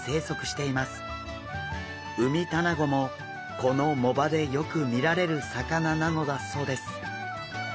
ウミタナゴもこの藻場でよく見られる魚なのだそうです。